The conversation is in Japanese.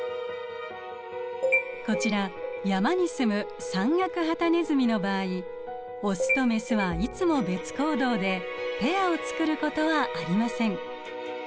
こちら山にすむ山岳ハタネズミの場合オスとメスはいつも別行動でペアを作ることはありません。